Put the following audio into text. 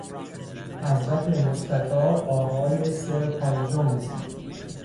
حضرت مستطاب آقای سرپال جونز